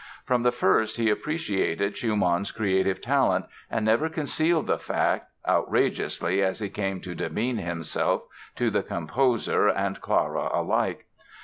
From the first he appreciated Schumann's creative talent and never concealed the fact, outrageously as he came to demean himself to the composer and Clara alike.